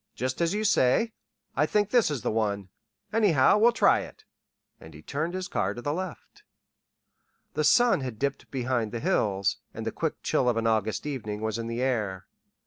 "Just as you say. I think this is the one. Anyhow, we'll try it." And he turned his car to the left. The sun had dipped behind the hills, and the quick chill of an August evening was in the air.